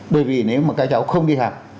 bởi vì nếu mà các cháu không đi học